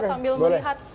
kita sambil melihat